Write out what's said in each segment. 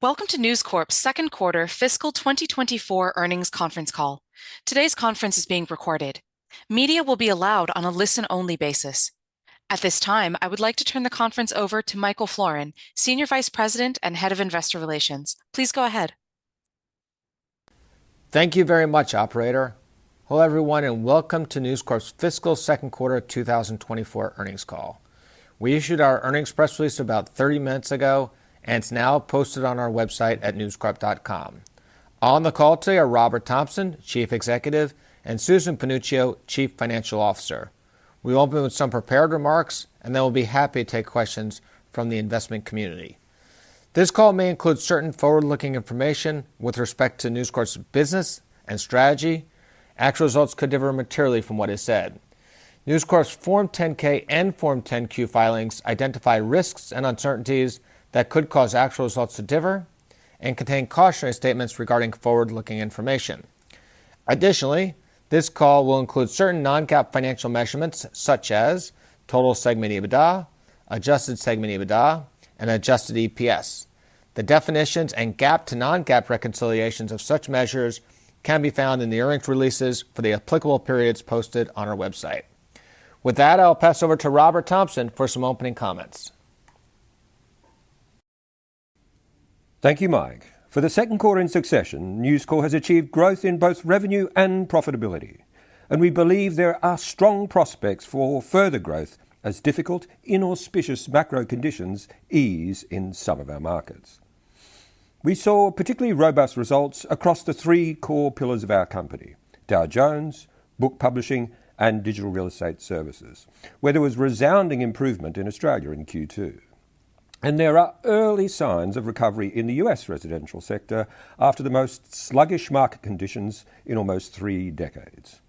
Welcome to News Corp's second quarter fiscal 2024 earnings conference call. Today's conference is being recorded. Media will be allowed on a listen-only basis. At this time, I would like to turn the conference over to Michael Florin, Senior Vice President and Head of Investor Relations. Please go ahead. Thank you very much, operator. Hello, everyone, and welcome to News Corp's fiscal second quarter of 2024 earnings call. We issued our earnings press release about 30 minutes ago, and it's now posted on our website at newscorp.com. On the call today are Robert Thomson, Chief Executive, and Susan Panuccio, Chief Financial Officer. We will open with some prepared remarks, and then we'll be happy to take questions from the investment community. This call may include certain forward-looking information with respect to News Corp's business and strategy. Actual results could differ materially from what is said. News Corp's Form 10-K and Form 10-Q filings identify risks and uncertainties that could cause actual results to differ and contain cautionary statements regarding forward-looking information. Additionally, this call will include certain non-GAAP financial measurements, such as total segment EBITDA, adjusted segment EBITDA, and adjusted EPS. The definitions and GAAP to non-GAAP reconciliations of such measures can be found in the earnings releases for the applicable periods posted on our website. With that, I'll pass over to Robert Thomson for some opening comments. Thank you, Mike. For the second quarter in succession, News Corp has achieved growth in both revenue and profitability, and we believe there are strong prospects for further growth as difficult, inauspicious macro conditions ease in some of our markets. We saw particularly robust results across the three core pillars of our company, Dow Jones, Book Publishing, and Digital Real Estate Services, where there was resounding improvement in Australia in Q2. There are early signs of recovery in the U.S. residential sector after the most sluggish market conditions in almost three decades.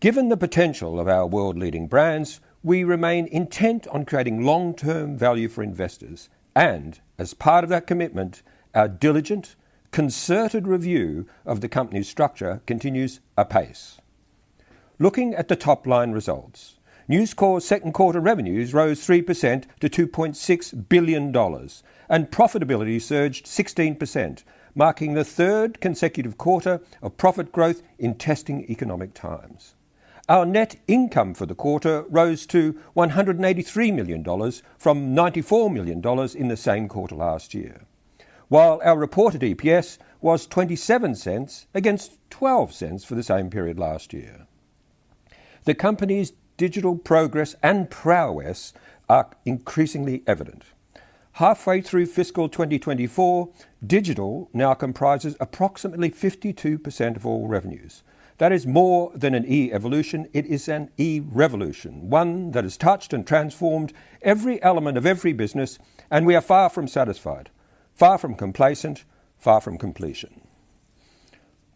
Given the potential of our world-leading brands, we remain intent on creating long-term value for investors, and as part of that commitment, our diligent, concerted review of the company's structure continues apace. Looking at the top-line results, News Corp's second quarter revenues rose 3% to $2.6 billion, and profitability surged 16%, marking the third consecutive quarter of profit growth in testing economic times. Our net income for the quarter rose to $183 million from $94 million in the same quarter last year, while our reported EPS was $0.27 against $0.12 for the same period last year. The company's digital progress and prowess are increasingly evident. Halfway through fiscal 2024, digital now comprises approximately 52% of all revenues. That is more than an e-evolution, it is an e-revolution, one that has touched and transformed every element of every business, and we are far from satisfied, far from complacent, far from completion.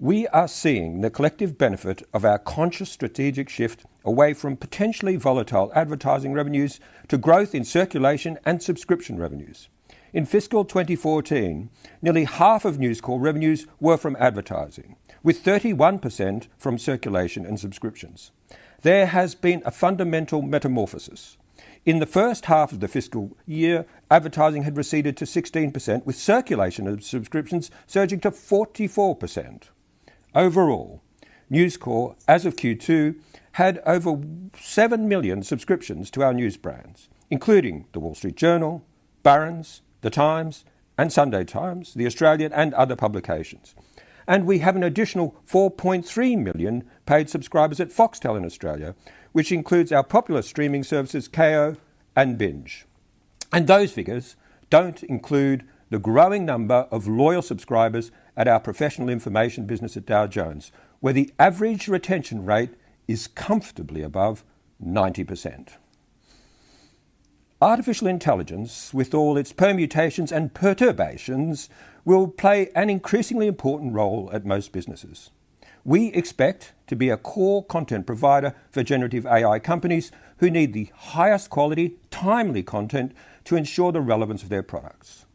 We are seeing the collective benefit of our conscious strategic shift away from potentially volatile advertising revenues to growth in circulation and subscription revenues. In fiscal 2014, nearly half of News Corp revenues were from advertising, with 31% from circulation and subscriptions. There has been a fundamental metamorphosis. In the first half of the fiscal year, advertising had receded to 16%, with circulation of subscriptions surging to 44%. Overall, News Corp, as of Q2, had over 7 million subscriptions to our news brands, including The Wall Street Journal, Barron's, The Times and Sunday Times, The Australian, and other publications. We have an additional 4.3 million paid subscribers at Foxtel in Australia, which includes our popular streaming services, Kayo and Binge. Those figures don't include the growing number of loyal subscribers at our professional information business at Dow Jones, where the average retention rate is comfortably above 90%. Artificial intelligence, with all its permutations and perturbations, will play an increasingly important role at most businesses. We expect to be a core content provider for generative AI companies who need the highest quality, timely content to ensure the relevance of their products.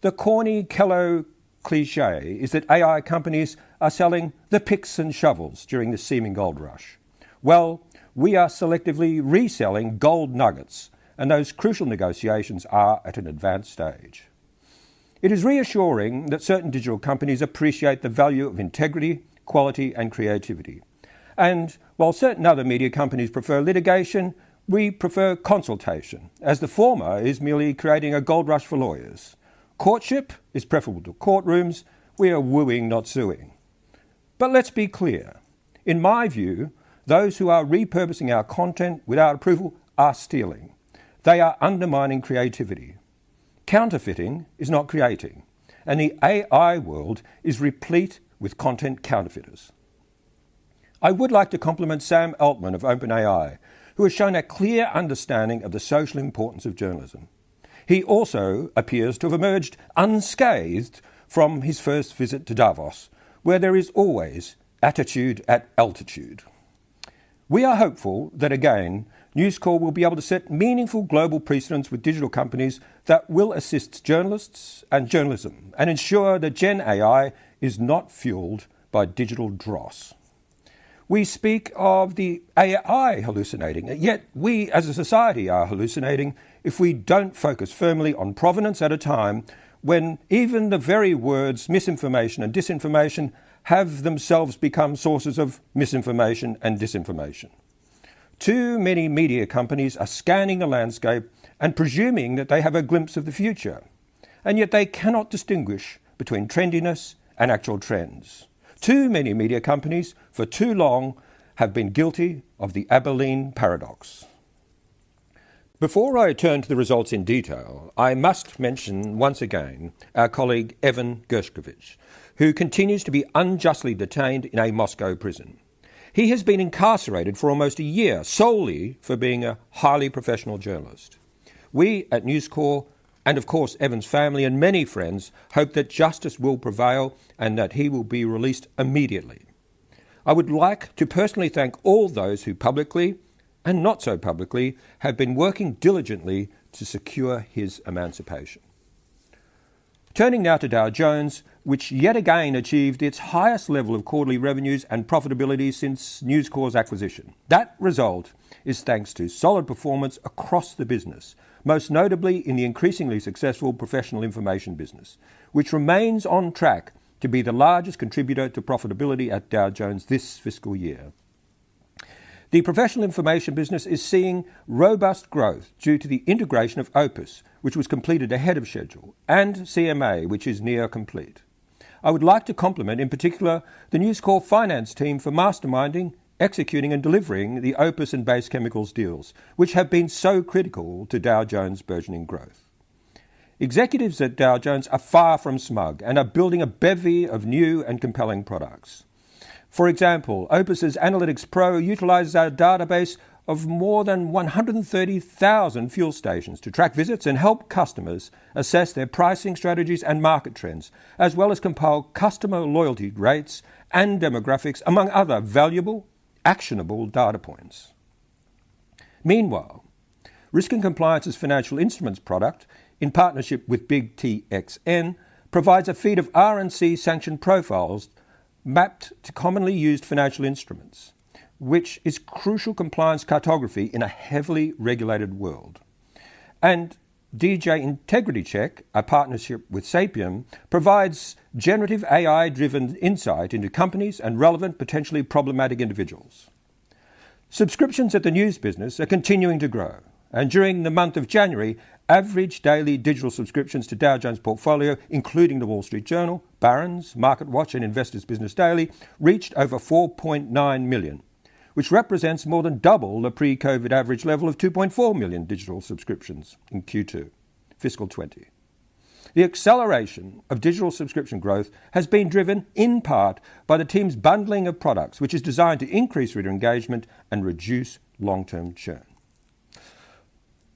The corny Kelo cliché is that AI companies are selling the picks and shovels during the seeming gold rush. Well, we are selectively reselling gold nuggets, and those crucial negotiations are at an advanced stage. It is reassuring that certain digital companies appreciate the value of integrity, quality, and creativity. And while certain other media companies prefer litigation, we prefer consultation, as the former is merely creating a gold rush for lawyers. Courtship is preferable to courtrooms. We are wooing, not suing. But let's be clear, in my view, those who are repurposing our content without approval are stealing. They are undermining creativity. Counterfeiting is not creating, and the AI world is replete with content counterfeiters. I would like to compliment Sam Altman of OpenAI, who has shown a clear understanding of the social importance of journalism. He also appears to have emerged unscathed from his first visit to Davos, where there is always attitude at altitude. We are hopeful that, again, News Corp will be able to set meaningful global precedents with digital companies that will assist journalists and journalism and ensure that Gen AI is not fueled by digital dross. We speak of the AI hallucinating, and yet we as a society are hallucinating if we don't focus firmly on provenance at a time when even the very words misinformation and disinformation have themselves become sources of misinformation and disinformation. Too many media companies are scanning the landscape and presuming that they have a glimpse of the future, and yet they cannot distinguish between trendiness and actual trends. Too many media companies, for too long, have been guilty of the Abilene paradox. Before I turn to the results in detail, I must mention once again our colleague, Evan Gershkovich, who continues to be unjustly detained in a Moscow prison. He has been incarcerated for almost a year, solely for being a highly professional journalist. We at News Corp, and of course, Evan's family and many friends, hope that justice will prevail and that he will be released immediately. I would like to personally thank all those who publicly, and not so publicly, have been working diligently to secure his emancipation. Turning now to Dow Jones, which yet again achieved its highest level of quarterly revenues and profitability since News Corp's acquisition. That result is thanks to solid performance across the business, most notably in the increasingly successful professional information business, which remains on track to be the largest contributor to profitability at Dow Jones this fiscal year. The professional information business is seeing robust growth due to the integration of Opus, which was completed ahead of schedule, and CMA, which is near complete. I would like to compliment, in particular, the News Corp finance team for masterminding, executing, and delivering the Opus and Base Chemicals deals, which have been so critical to Dow Jones' burgeoning growth. Executives at Dow Jones are far from smug and are building a bevy of new and compelling products. For example, OPIS' Analytics Pro utilizes our database of more than 130,000 fuel stations to track visits and help customers assess their pricing strategies and market trends, as well as compile customer loyalty rates and demographics, among other valuable, actionable data points. Meanwhile, Risk and Compliance's financial instruments product, in partnership with BigTXN, provides a feed of RNC sanction profiles mapped to commonly used financial instruments, which is crucial compliance cartography in a heavily regulated world. DJ Integrity Check, a partnership with Xapien, provides generative AI-driven insight into companies and relevant, potentially problematic individuals. Subscriptions at the news business are continuing to grow, and during the month of January, average daily digital subscriptions to Dow Jones portfolio, including The Wall Street Journal, Barron's, MarketWatch, and Investor's Business Daily, reached over 4.9 million, which represents more than double the pre-COVID average level of 2.4 million digital subscriptions in Q2, fiscal 2020. The acceleration of digital subscription growth has been driven in part by the team's bundling of products, which is designed to increase reader engagement and reduce long-term churn.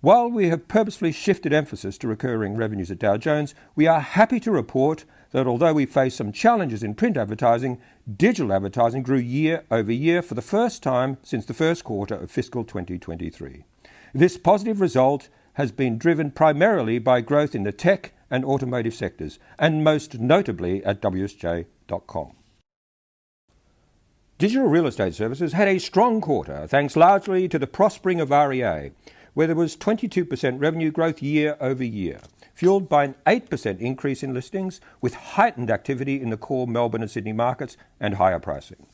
While we have purposefully shifted emphasis to recurring revenues at Dow Jones, we are happy to report that although we face some challenges in print advertising, digital advertising grew year over year for the first time since the first quarter of fiscal 2023. This positive result has been driven primarily by growth in the tech and automotive sectors, and most notably at WSJ.com. Digital Real Estate Services had a strong quarter, thanks largely to the prospering of REA, where there was 22% revenue growth year-over-year, fueled by an 8% increase in listings, with heightened activity in the core Melbourne and Sydney markets and higher pricing.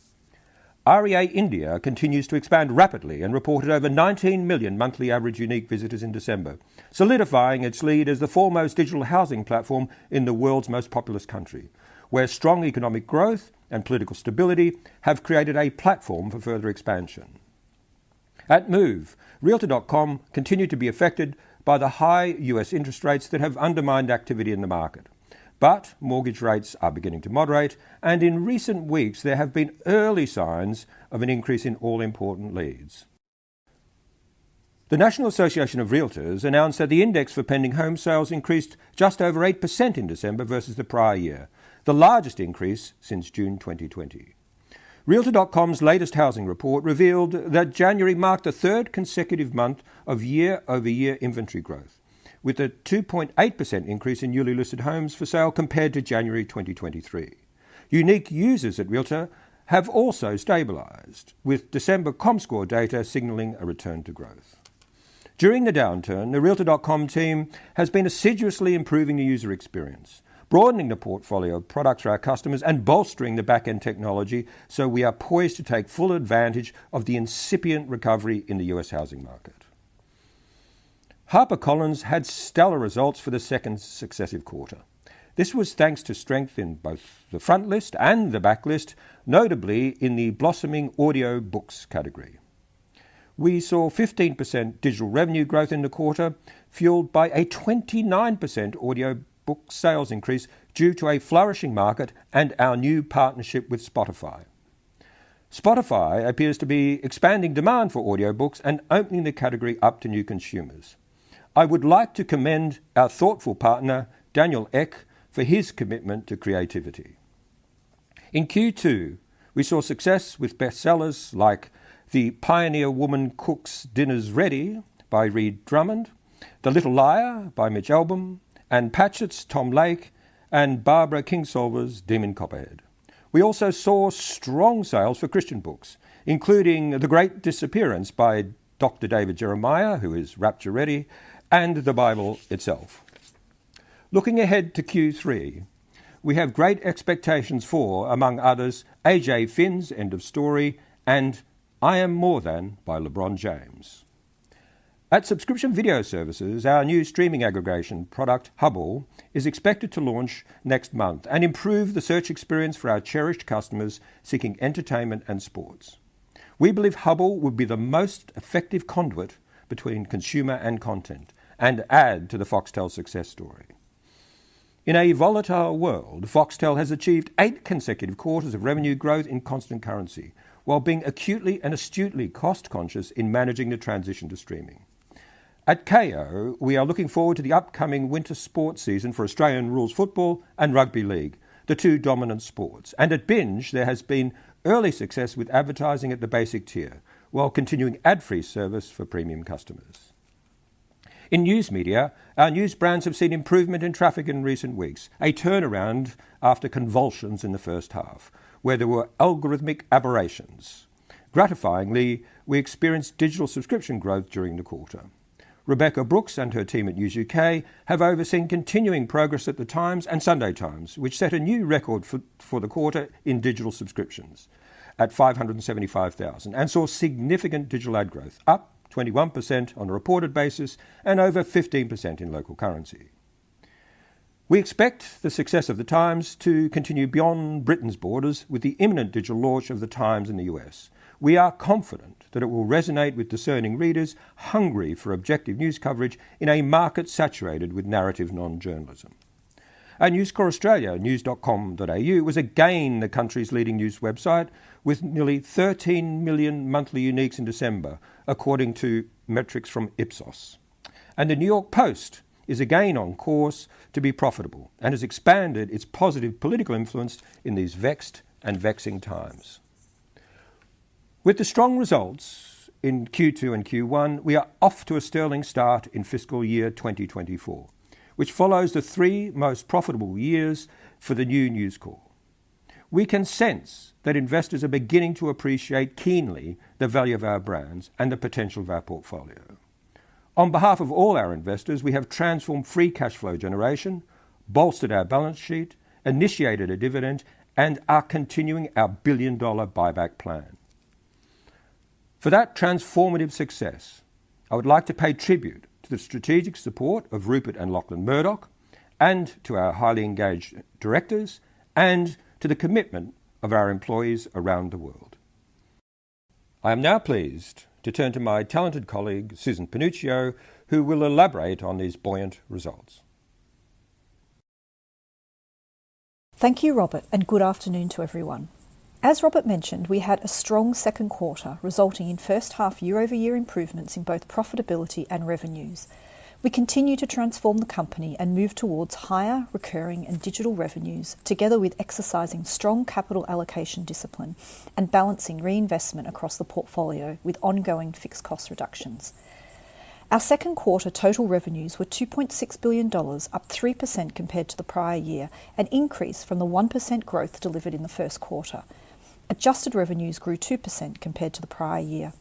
REA India continues to expand rapidly and reported over 19 million monthly average unique visitors in December, solidifying its lead as the foremost digital housing platform in the world's most populous country, where strong economic growth and political stability have created a platform for further expansion. At Move, realtor.com continued to be affected by the high U.S. interest rates that have undermined activity in the market. But mortgage rates are beginning to moderate, and in recent weeks, there have been early signs of an increase in all important leads. The National Association of Realtors announced that the index for pending home sales increased just over 8% in December versus the prior year, the largest increase since June 2020. Realtor.com's latest housing report revealed that January marked the third consecutive month of year-over-year inventory growth, with a 2.8% increase in newly listed homes for sale compared to January 2023. Unique users at Realtor have also stabilized, with December Comscore data signaling a return to growth. During the downturn, the realtor.com team has been assiduously improving the user experience, broadening the portfolio of products for our customers, and bolstering the back-end technology so we are poised to take full advantage of the incipient recovery in the U.S. housing market. HarperCollins had stellar results for the second successive quarter. This was thanks to strength in both the frontlist and the backlist, notably in the blossoming audiobooks category. We saw 15% digital revenue growth in the quarter, fueled by a 29% audiobook sales increase due to a flourishing market and our new partnership with Spotify. Spotify appears to be expanding demand for audiobooks and opening the category up to new consumers. I would like to commend our thoughtful partner, Daniel Ek, for his commitment to creativity. In Q2, we saw success with bestsellers like The Pioneer Woman Cooks: Dinner's Ready by Ree Drummond, The Little Liar by Mitch Albom, Anne Patchett's Tom Lake, and Barbara Kingsolver's Demon Copperhead. We also saw strong sales for Christian books, including The Great Disappearance by Dr. David Jeremiah, who is Rapture Ready, and the Bible itself. Looking ahead to Q3, we have great expectations for, among others, A.J. Finn's End of Story, and I Am More Than by LeBron James. At Subscription Video Services, our new streaming aggregation product, Hubbl, is expected to launch next month and improve the search experience for our cherished customers seeking entertainment and sports. We believe Hubbl will be the most effective conduit between consumer and content and add to the Foxtel success story. In a volatile world, Foxtel has achieved eight consecutive quarters of revenue growth in constant currency, while being acutely and astutely cost-conscious in managing the transition to streaming. At Kayo, we are looking forward to the upcoming winter sports season for Australian rules football and rugby league, the two dominant sports. At Binge, there has been early success with advertising at the basic tier, while continuing ad-free service for premium customers. In news media, our news brands have seen improvement in traffic in recent weeks, a turnaround after convulsions in the first half, where there were algorithmic aberrations. Gratifyingly, we experienced digital subscription growth during the quarter. Rebekah Brooks and her team at News UK have overseen continuing progress at The Times and The Sunday Times, which set a new record for the quarter in digital subscriptions at 575,000, and saw significant digital ad growth, up 21% on a reported basis and over 15% in local currency. We expect the success of The Times to continue beyond Britain's borders with the imminent digital launch of The Times in the U.S. We are confident that it will resonate with discerning readers hungry for objective news coverage in a market saturated with narrative non-journalism. Our News Corp Australia, news.com.au, was again the country's leading news website, with nearly 13 million monthly uniques in December, according to metrics from Ipsos. The New York Post is again on course to be profitable and has expanded its positive political influence in these vexed and vexing times. With the strong results in Q2 and Q1, we are off to a sterling start in fiscal year 2024, which follows the three most profitable years for the new News Corp. We can sense that investors are beginning to appreciate keenly the value of our brands and the potential of our portfolio. On behalf of all our investors, we have transformed free cash flow generation, bolstered our balance sheet, initiated a dividend, and are continuing our billion-dollar buyback plan. For that transformative success, I would like to pay tribute to the strategic support of Rupert and Lachlan Murdoch, and to our highly engaged directors, and to the commitment of our employees around the world. I am now pleased to turn to my talented colleague, Susan Panuccio, who will elaborate on these buoyant results. Thank you, Robert, and good afternoon to everyone. As Robert mentioned, we had a strong second quarter, resulting in first-half year-over-year improvements in both profitability and revenues. We continue to transform the company and move towards higher recurring and digital revenues, together with exercising strong capital allocation discipline and balancing reinvestment across the portfolio with ongoing fixed cost reductions. Our second quarter total revenues were $2.6 billion, up 3% compared to the prior year, an increase from the 1% growth delivered in the first quarter. Adjusted revenues grew 2% compared to the prior year.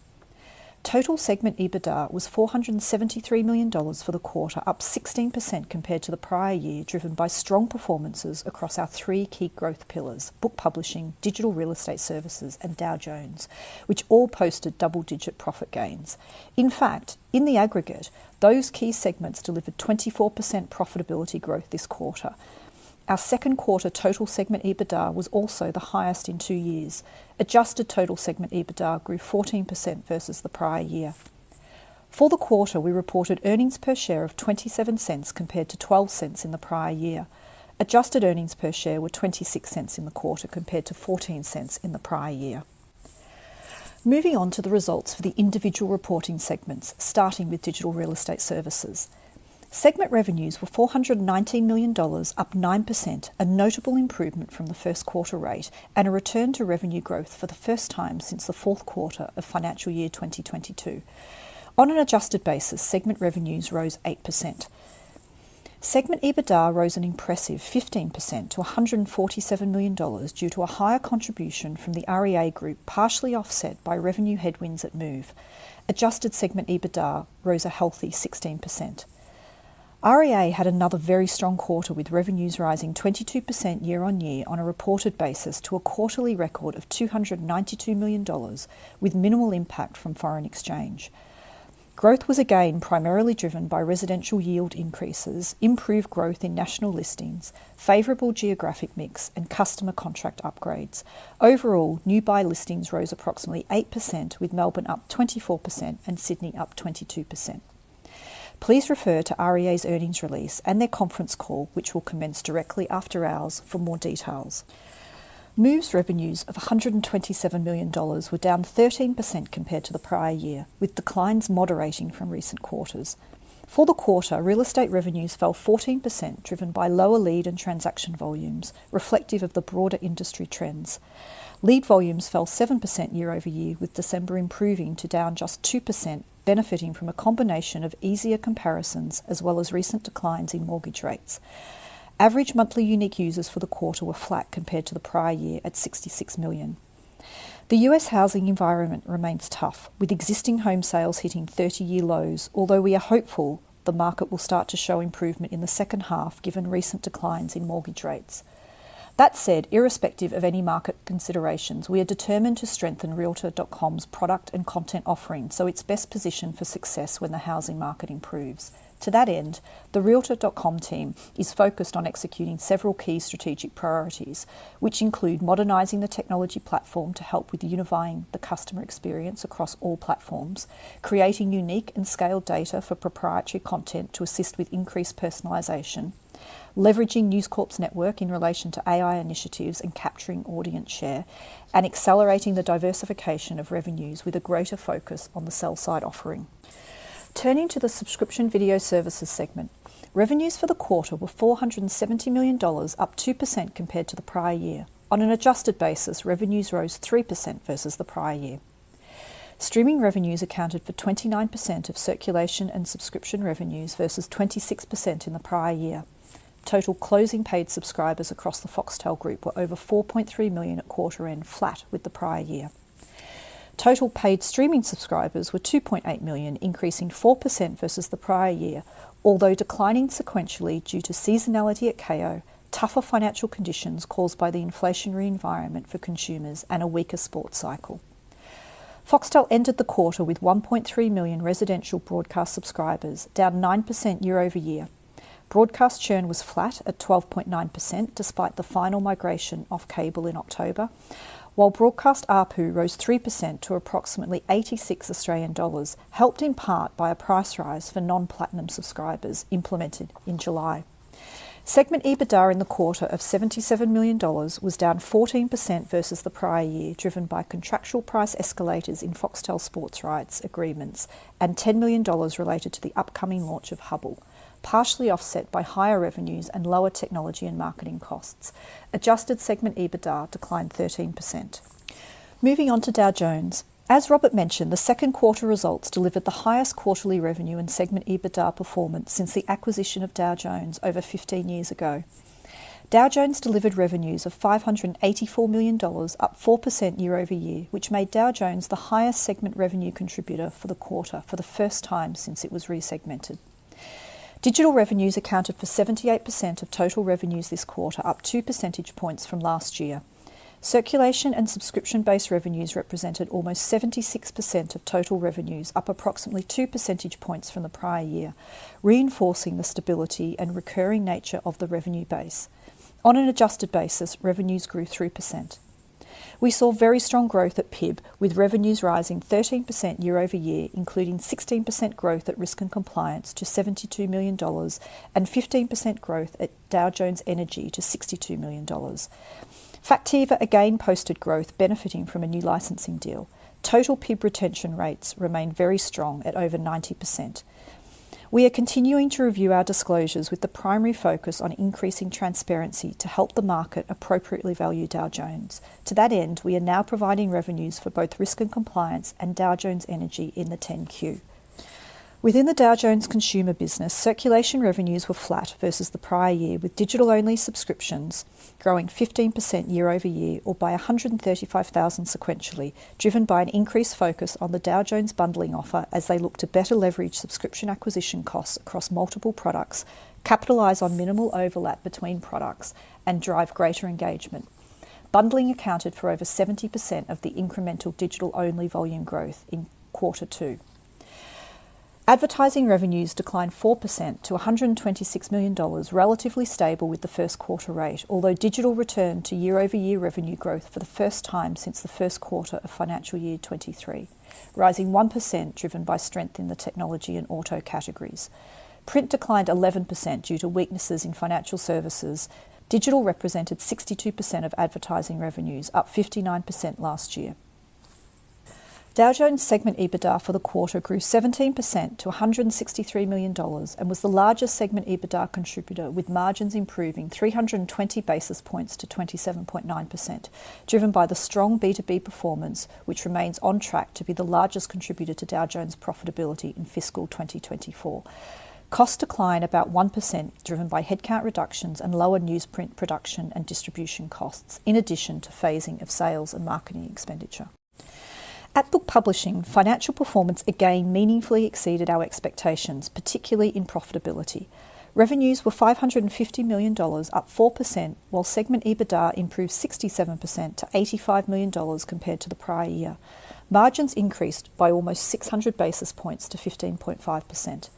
Total segment EBITDA was $473 million for the quarter, up 16% compared to the prior year, driven by strong performances across our three key growth pillars: book publishing, digital real estate services, and Dow Jones, which all posted double-digit profit gains. In fact, in the aggregate, those key segments delivered 24% profitability growth this quarter. Our second quarter total segment EBITDA was also the highest in two years. Adjusted total segment EBITDA grew 14% versus the prior year. For the quarter, we reported earnings per share of $0.27 compared to $0.12 in the prior year. Adjusted earnings per share were $0.26 in the quarter, compared to $0.14 in the prior year. Moving on to the results for the individual reporting segments, starting with digital real estate services. Segment revenues were $419 million, up 9%, a notable improvement from the first quarter rate and a return to revenue growth for the first time since the fourth quarter of financial year 2022. On an adjusted basis, segment revenues rose 8%. Segment EBITDA rose an impressive 15% to $147 million due to a higher contribution from the REA Group, partially offset by revenue headwinds at Move. Adjusted segment EBITDA rose a healthy 16%. REA had another very strong quarter, with revenues rising 22% year-on-year on a reported basis to a quarterly record of $292 million, with minimal impact from foreign exchange. Growth was again primarily driven by residential yield increases, improved growth in national listings, favorable geographic mix, and customer contract upgrades. Overall, new buy listings rose approximately 8%, with Melbourne up 24% and Sydney up 22%. Please refer to REA's earnings release and their conference call, which will commence directly after hours, for more details. Move's revenues of $127 million were down 13% compared to the prior year, with declines moderating from recent quarters. For the quarter, real estate revenues fell 14%, driven by lower lead and transaction volumes, reflective of the broader industry trends. Lead volumes fell 7% year-over-year, with December improving to down just 2%, benefiting from a combination of easier comparisons as well as recent declines in mortgage rates. Average monthly unique users for the quarter were flat compared to the prior year at 66 million. The U.S. housing environment remains tough, with existing home sales hitting 30-year lows, although we are hopeful the market will start to show improvement in the second half, given recent declines in mortgage rates. That said, irrespective of any market considerations, we are determined to strengthen realtor.com's product and content offering, so it's best positioned for success when the housing market improves. To that end, the realtor.com team is focused on executing several key strategic priorities, which include modernizing the technology platform to help with unifying the customer experience across all platforms, creating unique and scaled data for proprietary content to assist with increased personalization, leveraging News Corp's network in relation to AI initiatives and capturing audience share, and accelerating the diversification of revenues with a greater focus on the sell side offering. Turning to the subscription video services segment. Revenues for the quarter were $470 million, up 2% compared to the prior year. On an adjusted basis, revenues rose 3% versus the prior year. Streaming revenues accounted for 29% of circulation and subscription revenues versus 26% in the prior year. Total closing paid subscribers across the Foxtel group were over 4.3 million at quarter end, flat with the prior year. Total paid streaming subscribers were 2.8 million, increasing 4% versus the prior year, although declining sequentially due to seasonality at Kayo, tougher financial conditions caused by the inflationary environment for consumers, and a weaker sports cycle. Foxtel ended the quarter with 1.3 million residential broadcast subscribers, down 9% year-over-year. Broadcast churn was flat at 12.9%, despite the final migration off cable in October, while broadcast ARPU rose 3% to approximately 86 Australian dollars, helped in part by a price rise for non-platinum subscribers implemented in July. Segment EBITDA in the quarter of $77 million was down 14% versus the prior year, driven by contractual price escalators in Foxtel sports rights agreements and $10 million related to the upcoming launch of Hubbl, partially offset by higher revenues and lower technology and marketing costs. Adjusted segment EBITDA declined 13%. Moving on to Dow Jones. As Robert mentioned, the second quarter results delivered the highest quarterly revenue and segment EBITDA performance since the acquisition of Dow Jones over 15 years ago. Dow Jones delivered revenues of $584 million, up 4% year-over-year, which made Dow Jones the highest segment revenue contributor for the quarter for the first time since it was resegmented. Digital revenues accounted for 78% of total revenues this quarter, up two percentage points from last year. Circulation and subscription-based revenues represented almost 76% of total revenues, up approximately two percentage points from the prior year, reinforcing the stability and recurring nature of the revenue base. On an adjusted basis, revenues grew 3%. We saw very strong growth at PIB, with revenues rising 13% year-over-year, including 16% growth at Risk and Compliance to $72 million and 15% growth at Dow Jones Energy to $62 million. Factiva again posted growth benefiting from a new licensing deal. Total PIB retention rates remain very strong at over 90%. We are continuing to review our disclosures with the primary focus on increasing transparency to help the market appropriately value Dow Jones. To that end, we are now providing revenues for both Risk and Compliance and Dow Jones Energy in the 10-Q. Within the Dow Jones Consumer business, circulation revenues were flat versus the prior year, with digital-only subscriptions growing 15% year-over-year or by 135,000 sequentially, driven by an increased focus on the Dow Jones bundling offer as they look to better leverage subscription acquisition costs across multiple products, capitalize on minimal overlap between products, and drive greater engagement. Bundling accounted for over 70% of the incremental digital-only volume growth in quarter two. Advertising revenues declined 4% to $126 million, relatively stable with the first quarter rate, although digital returned to year-over-year revenue growth for the first time since the first quarter of financial year 2023, rising 1%, driven by strength in the technology and auto categories. Print declined 11% due to weaknesses in financial services. Digital represented 62% of advertising revenues, up 59% last year. Dow Jones segment EBITDA for the quarter grew 17% to $163 million and was the largest segment EBITDA contributor, with margins improving 320 basis points to 27.9%, driven by the strong B2B performance, which remains on track to be the largest contributor to Dow Jones profitability in fiscal 2024. Costs declined about 1%, driven by headcount reductions and lower newsprint production and distribution costs, in addition to phasing of sales and marketing expenditure. At Book Publishing, financial performance again meaningfully exceeded our expectations, particularly in profitability. Revenues were $550 million, up 4%, while segment EBITDA improved 67% to $85 million compared to the prior year. Margins increased by almost 600 basis points to 15.5%.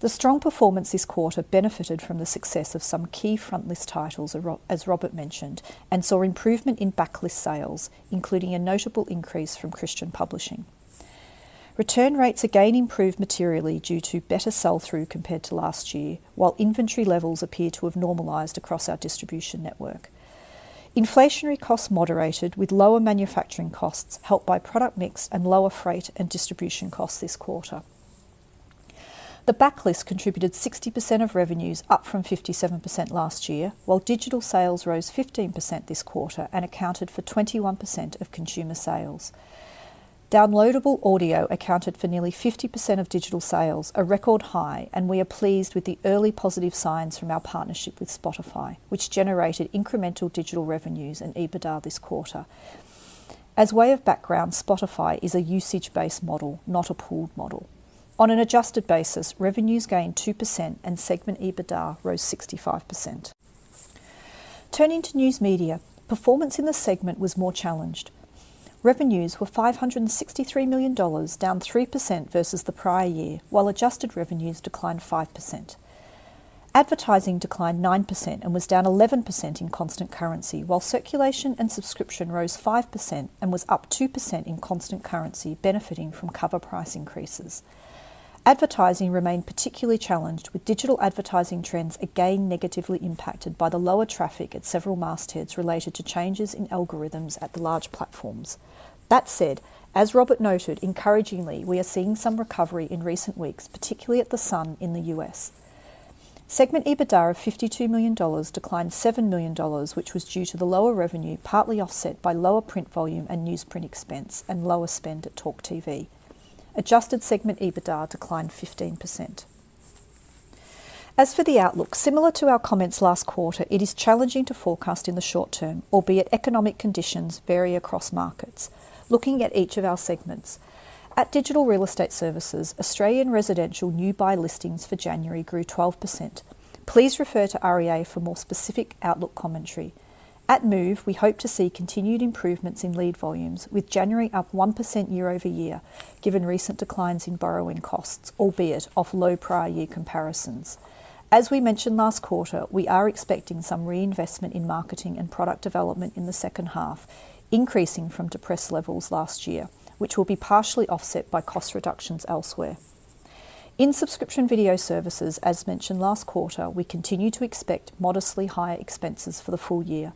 The strong performance this quarter benefited from the success of some key frontlist titles, as Robert mentioned, and saw improvement in backlist sales, including a notable increase from Christian Publishing. Return rates again improved materially due to better sell-through compared to last year, while inventory levels appear to have normalized across our distribution network. Inflationary costs moderated, with lower manufacturing costs helped by product mix and lower freight and distribution costs this quarter. The backlist contributed 60% of revenues, up from 57% last year, while digital sales rose 15% this quarter and accounted for 21% of consumer sales. Downloadable audio accounted for nearly 50% of digital sales, a record high, and we are pleased with the early positive signs from our partnership with Spotify, which generated incremental digital revenues and EBITDA this quarter. As way of background, Spotify is a usage-based model, not a pooled model. On an adjusted basis, revenues gained 2% and segment EBITDA rose 65%. Turning to News Media, performance in the segment was more challenged. Revenues were $563 million, down 3% versus the prior year, while adjusted revenues declined 5%. Advertising declined 9% and was down 11% in constant currency, while circulation and subscription rose 5% and was up 2% in constant currency, benefiting from cover price increases. Advertising remained particularly challenged, with digital advertising trends again negatively impacted by the lower traffic at several mastheads related to changes in algorithms at the large platforms. That said, as Robert noted, encouragingly, we are seeing some recovery in recent weeks, particularly at the Sun in the US. Segment EBITDA of $52 million declined $7 million, which was due to the lower revenue, partly offset by lower print volume and newsprint expense and lower spend at Talk TV. Adjusted segment EBITDA declined 15%. As for the outlook, similar to our comments last quarter, it is challenging to forecast in the short term, albeit economic conditions vary across markets. Looking at each of our segments, at Digital Real Estate Services, Australian residential new buy listings for January grew 12%. Please refer to REA for more specific outlook commentary. At Move, we hope to see continued improvements in lead volumes, with January up 1% year-over-year, given recent declines in borrowing costs, albeit off low prior year comparisons. As we mentioned last quarter, we are expecting some reinvestment in marketing and product development in the second half, increasing from depressed levels last year, which will be partially offset by cost reductions elsewhere. In Subscription Video Services, as mentioned last quarter, we continue to expect modestly higher expenses for the full year.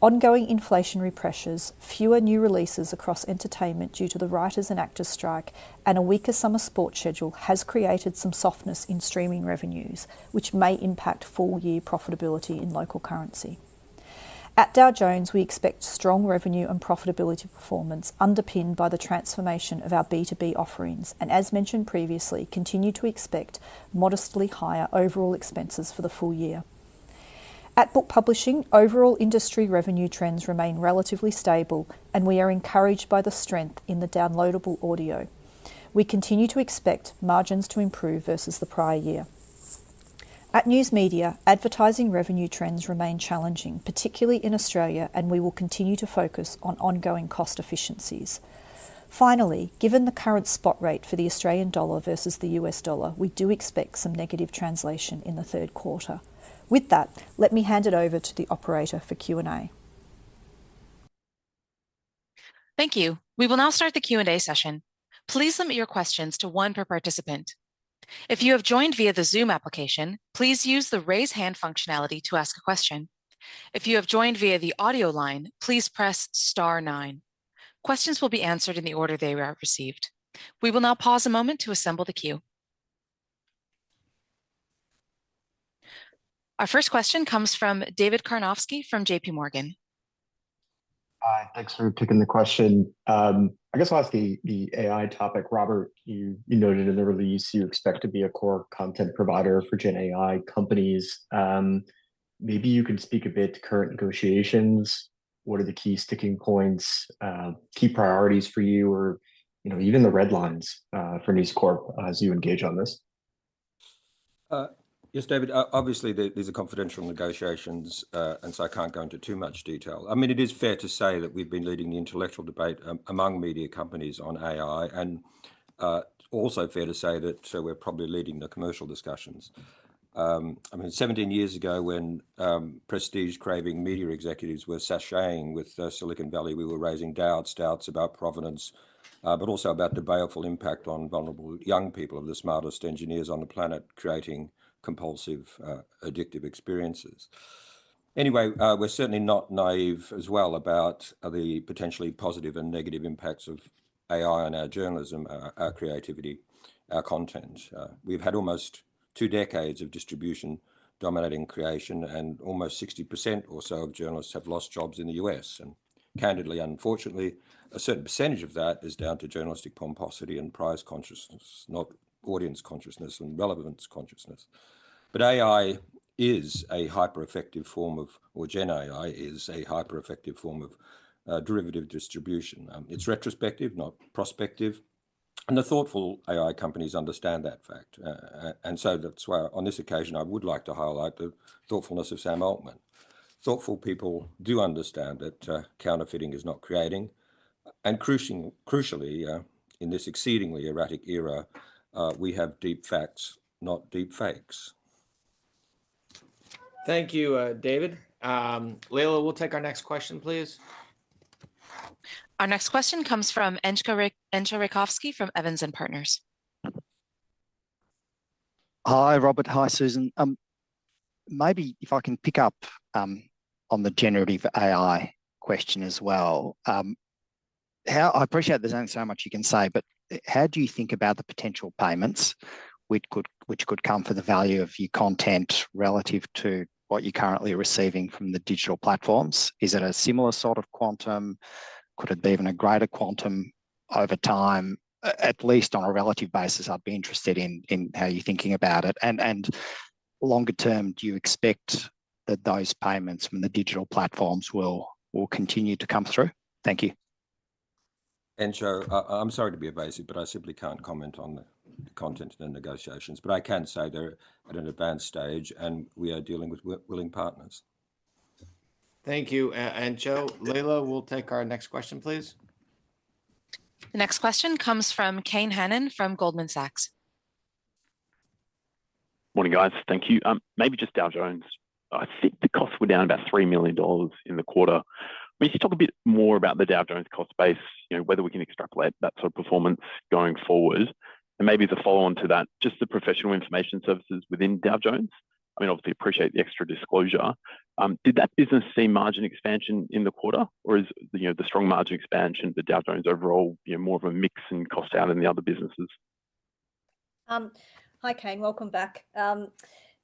Ongoing inflationary pressures, fewer new releases across entertainment due to the writers' and actors' strike, and a weaker summer sports schedule has created some softness in streaming revenues, which may impact full-year profitability in local currency. At Dow Jones, we expect strong revenue and profitability performance underpinned by the transformation of our B2B offerings, and as mentioned previously, continue to expect modestly higher overall expenses for the full year. At Book Publishing, overall industry revenue trends remain relatively stable, and we are encouraged by the strength in the downloadable audio. We continue to expect margins to improve versus the prior year. At News Media, advertising revenue trends remain challenging, particularly in Australia, and we will continue to focus on ongoing cost efficiencies. Finally, given the current spot rate for the Australian dollar versus the US dollar, we do expect some negative translation in the third quarter. With that, let me hand it over to the operator for Q&A. Thank you. We will now start the Q&A session. Please limit your questions to one per participant. If you have joined via the Zoom application, please use the Raise Hand functionality to ask a question. If you have joined via the audio line, please press star nine. Questions will be answered in the order they are received. We will now pause a moment to assemble the queue. Our first question comes from David Karnovsky from JPMorgan. Hi, thanks for taking the question. I guess I'll ask the AI topic. Robert, you noted in the release you expect to be a core content provider for Gen AI companies. Maybe you can speak a bit to current negotiations. What are the key sticking points, key priorities for you, or, you know, even the red lines, for News Corp as you engage on this? Yes, David, obviously, these are confidential negotiations, and so I can't go into too much detail. I mean, it is fair to say that we've been leading the intellectual debate among media companies on AI, and also fair to say that so we're probably leading the commercial discussions. I mean, 17 years ago, when prestige-craving media executives were sashaying with Silicon Valley, we were raising doubts, doubts about provenance, but also about the baleful impact on vulnerable young people of the smartest engineers on the planet, creating compulsive, addictive experiences. Anyway, we're certainly not naive as well about the potentially positive and negative impacts of AI on our journalism, our creativity, our content. We've had almost two decades of distribution dominating creation, and almost 60% or so of journalists have lost jobs in the U.S. And candidly, unfortunately, a certain percentage of that is down to journalistic pomposity and prize consciousness, not audience consciousness and relevance consciousness. But AI is a hyper-effective form of... or Gen AI is a hyper-effective form of derivative distribution. It's retrospective, not prospective, and the thoughtful AI companies understand that fact. And so that's why on this occasion, I would like to highlight the thoughtfulness of Sam Altman. Thoughtful people do understand that counterfeiting is not creating, and crucially, crucially, in this exceedingly erratic era, we have deep facts, not deep fakes.... Thank you, David. Leila, we'll take our next question, please. Our next question comes from Entcho Raykovski from Evans & Partners. Hi, Robert. Hi, Susan. Maybe if I can pick up on the generative AI question as well. I appreciate there's only so much you can say, but how do you think about the potential payments which could, which could come from the value of your content relative to what you're currently receiving from the digital platforms? Is it a similar sort of quantum? Could it be even a greater quantum over time? At least on a relative basis, I'd be interested in how you're thinking about it. And, and longer term, do you expect that those payments from the digital platforms will continue to come through? Thank you. Entcho, I'm sorry to be evasive, but I simply can't comment on the content of the negotiations. But I can say they're at an advanced stage, and we are dealing with willing partners. Thank you, Entcho. Leila, we'll take our next question, please. The next question comes from Kane Hannan from Goldman Sachs. Morning, guys. Thank you. Maybe just Dow Jones. I think the costs were down about $3 million in the quarter. Maybe talk a bit more about the Dow Jones cost base, you know, whether we can extrapolate that sort of performance going forward. And maybe as a follow-on to that, just the professional information services within Dow Jones, I mean, obviously appreciate the extra disclosure. Did that business see margin expansion in the quarter, or is, you know, the strong margin expansion for Dow Jones overall, you know, more of a mix and cost out than the other businesses? Hi, Kane. Welcome back.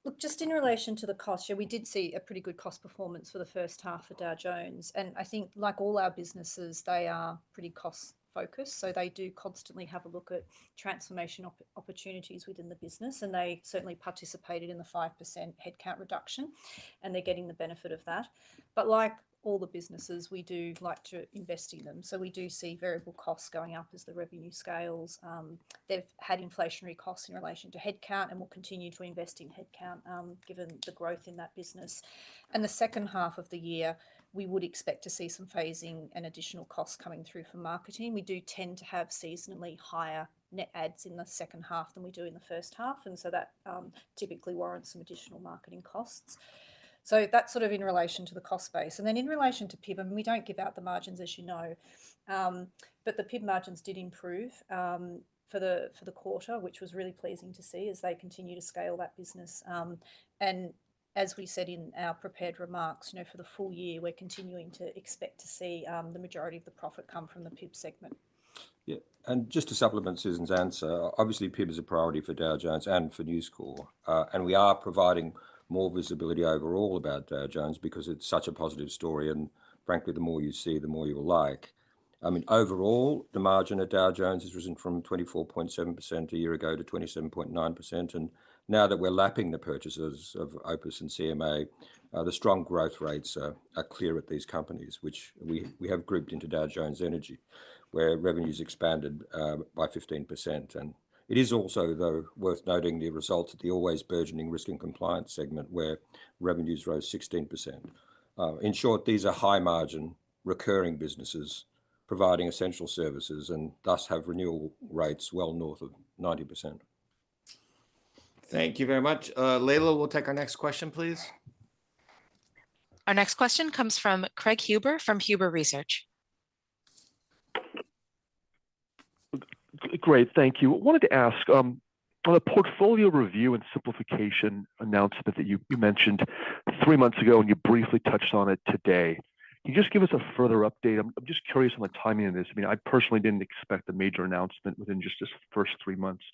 Look, just in relation to the cost, yeah, we did see a pretty good cost performance for the first half of Dow Jones, and I think, like all our businesses, they are pretty cost-focused, so they do constantly have a look at transformation opportunities within the business, and they certainly participated in the 5% headcount reduction, and they're getting the benefit of that. But like all the businesses, we do like to invest in them. So we do see variable costs going up as the revenue scales. They've had inflationary costs in relation to headcount and will continue to invest in headcount, given the growth in that business. In the second half of the year, we would expect to see some phasing and additional costs coming through from marketing. We do tend to have seasonally higher net adds in the second half than we do in the first half, and so that typically warrants some additional marketing costs. So that's sort of in relation to the cost base. And then in relation to PIB, and we don't give out the margins, as you know, but the PIB margins did improve for the quarter, which was really pleasing to see as they continue to scale that business. And as we said in our prepared remarks, you know, for the full year, we're continuing to expect to see the majority of the profit come from the PIB segment. Yeah, and just to supplement Susan's answer, obviously, PIB is a priority for Dow Jones and for News Corp. And we are providing more visibility overall about Dow Jones because it's such a positive story, and frankly, the more you see, the more you will like. I mean, overall, the margin at Dow Jones has risen from 24.7% a year ago to 27.9%, and now that we're lapping the purchases of Opus and CMA, the strong growth rates are clear at these companies, which we have grouped into Dow Jones Energy, where revenues expanded by 15%. And it is also, though, worth noting the results at the always burgeoning Risk and Compliance segment, where revenues rose 16%. In short, these are high-margin, recurring businesses providing essential services and thus have renewal rates well north of 90%. Thank you very much. Leila, we'll take our next question, please. Our next question comes from Craig Huber from Huber Research. Great. Thank you. I wanted to ask on the portfolio review and simplification announcement that you mentioned three months ago, and you briefly touched on it today, can you just give us a further update? I'm just curious on the timing of this. I mean, I personally didn't expect a major announcement within just the first three months,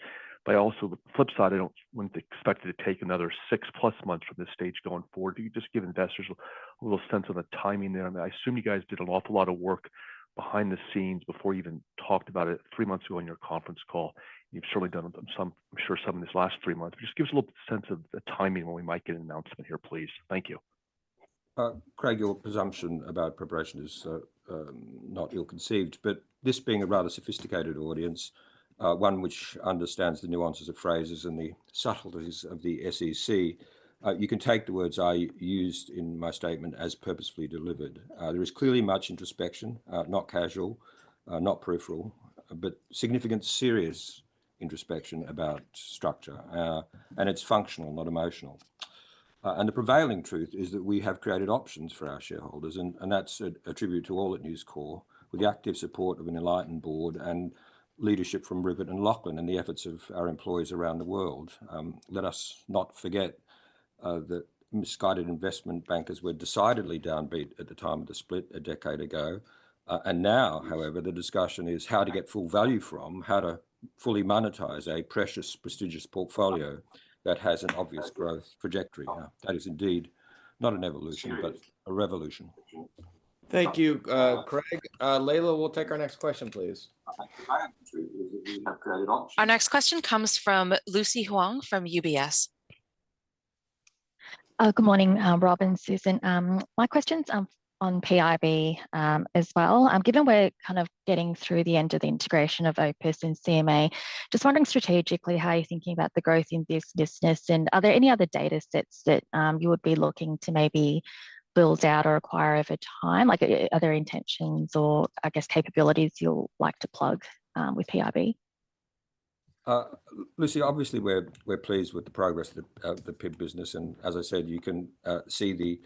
but I also, the flip side, I wouldn't expect it to take another six-plus months from this stage going forward. Can you just give investors a little sense of the timing there? I mean, I assume you guys did an awful lot of work behind the scenes before you even talked about it three months ago on your conference call. You've certainly done some, I'm sure, some in these last three months. Just give us a little sense of the timing when we might get an announcement here, please. Thank you. Craig, your presumption about preparation is not ill-conceived, but this being a rather sophisticated audience, one which understands the nuances of phrases and the subtleties of the SEC, you can take the words I used in my statement as purposefully delivered. There is clearly much introspection, not casual, not peripheral, but significant, serious introspection about structure. And it's functional, not emotional. And the prevailing truth is that we have created options for our shareholders, and that's a tribute to all at News Corp, with the active support of an enlightened board and leadership from Rupert and Lachlan, and the efforts of our employees around the world. Let us not forget that misguided investment bankers were decidedly downbeat at the time of the split a decade ago. And now, however, the discussion is how to get full value from, how to fully monetize a precious, prestigious portfolio that has an obvious growth trajectory. That is indeed not an evolution, but a revolution. Thank you, Craig. Leila, we'll take our next question, please. Our next question comes from Lucy Huang from UBS. Good morning, Rob and Susan. My question's on PIB as well. Given we're kind of getting through the end of the integration of Opus and CMA, just wondering strategically, how are you thinking about the growth in this business, and are there any other datasets that you would be looking to maybe build out or acquire over time? Like, are there intentions or, I guess, capabilities you'd like to plug with PIB? ... Lucy, obviously we're pleased with the progress of the PIB business, and as I said, you can see the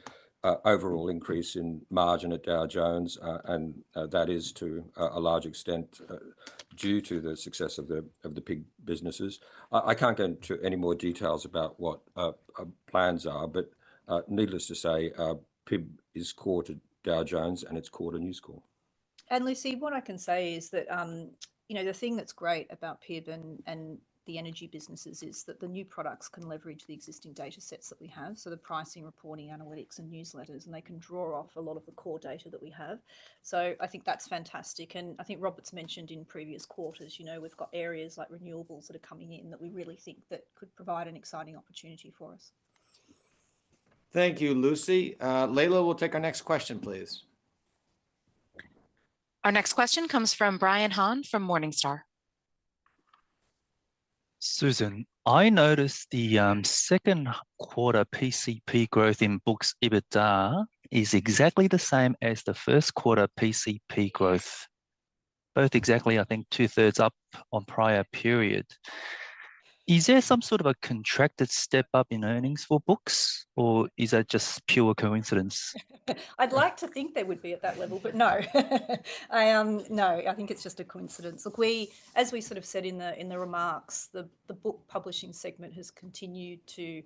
overall increase in margin at Dow Jones. That is to a large extent due to the success of the PIB businesses. I can't go into any more details about what plans are, but needless to say, PIB is core to Dow Jones, and it's core to News Corp. And Lucy, what I can say is that, you know, the thing that's great about PIB and the energy businesses is that the new products can leverage the existing data sets that we have, so the pricing, reporting, analytics, and newsletters, and they can draw off a lot of the core data that we have. So I think that's fantastic, and I think Robert's mentioned in previous quarters, you know, we've got areas like renewables that are coming in, that we really think that could provide an exciting opportunity for us. Thank you, Lucy. Layla, we'll take our next question, please. Our next question comes from Brian Han from Morningstar. Susan, I noticed the second quarter PCP growth in Books EBITDA is exactly the same as the first quarter PCP growth. Both exactly, I think, two-thirds up on prior period. Is there some sort of a contracted step-up in earnings for Books, or is that just pure coincidence? I'd like to think they would be at that level, but no. I... No, I think it's just a coincidence. Look, we as we sort of said in the remarks, the book publishing segment has continued to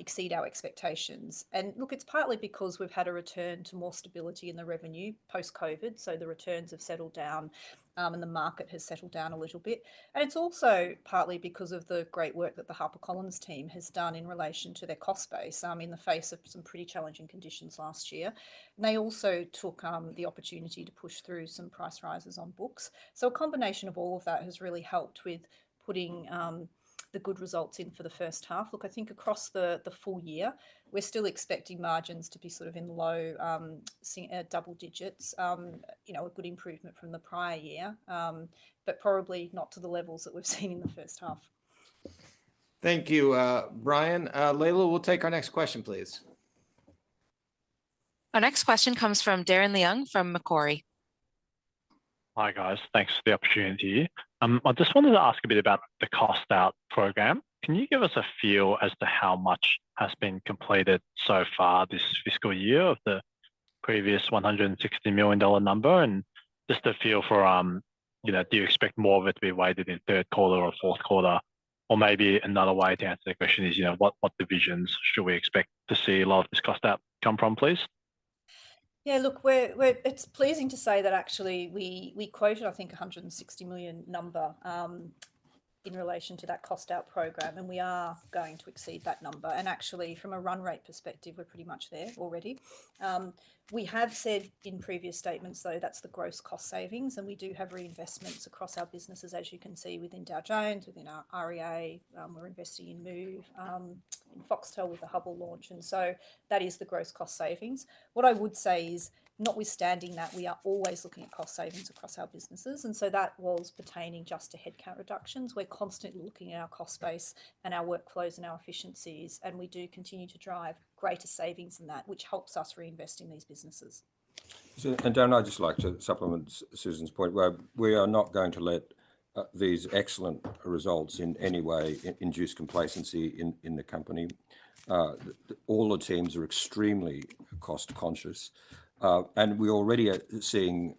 exceed our expectations. And look, it's partly because we've had a return to more stability in the revenue post-COVID, so the returns have settled down, and the market has settled down a little bit. And it's also partly because of the great work that the HarperCollins team has done in relation to their cost base, in the face of some pretty challenging conditions last year. And they also took the opportunity to push through some price rises on books. So a combination of all of that has really helped with putting the good results in for the first half. Look, I think across the full year, we're still expecting margins to be sort of in low double digits. You know, a good improvement from the prior year, but probably not to the levels that we've seen in the first half. Thank you, Brian. Layla, we'll take our next question, please. Our next question comes from Darren Leung from Macquarie. Hi, guys. Thanks for the opportunity. I just wanted to ask a bit about the cost-out program. Can you give us a feel as to how much has been completed so far this fiscal year of the previous $160 million number, and just a feel for, you know, do you expect more of it to be weighted in third quarter or fourth quarter? Or maybe another way to answer the question is, you know, what divisions should we expect to see a lot of this cost-out come from, please? Yeah, look, it's pleasing to say that actually, we quoted, I think, $160 million number, in relation to that cost-out program, and we are going to exceed that number. And actually, from a run rate perspective, we're pretty much there already. We have said in previous statements, though, that's the gross cost savings, and we do have reinvestments across our businesses, as you can see, within Dow Jones, within our REA. We're investing in Move, in Foxtel with the Hubbl launch, and so that is the gross cost savings. What I would say is, notwithstanding that, we are always looking at cost savings across our businesses, and so that was pertaining just to headcount reductions. We're constantly looking at our cost base and our workflows and our efficiencies, and we do continue to drive greater savings in that, which helps us reinvest in these businesses. And Darren, I'd just like to supplement Susan's point. We are not going to let these excellent results in any way induce complacency in the company. All the teams are extremely cost conscious. And we already are seeing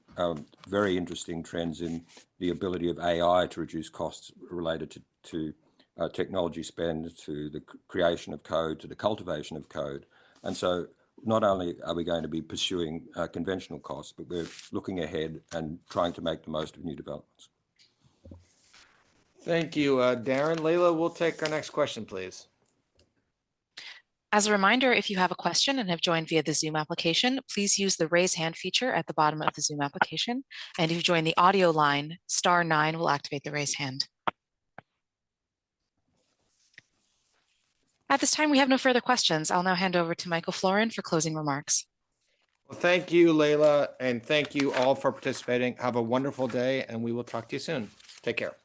very interesting trends in the ability of AI to reduce costs related to technology spend, to the creation of code, to the cultivation of code. And so not only are we going to be pursuing conventional costs, but we're looking ahead and trying to make the most of new developments. Thank you, Darren. Layla, we'll take our next question, please. As a reminder, if you have a question and have joined via the Zoom application, please use the Raise Hand feature at the bottom of the Zoom application. If you've joined the audio line, star nine will activate the Raise Hand. At this time, we have no further questions. I'll now hand over to Michael Florin for closing remarks. Well, thank you, Layla, and thank you all for participating. Have a wonderful day, and we will talk to you soon. Take care.